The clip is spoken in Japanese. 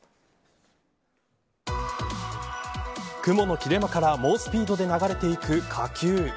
雲の切れ間から猛スピードで流れていく火球。